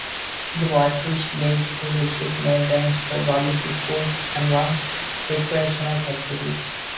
The Whitefish Bay School District maintains four public schools and one recreational facility.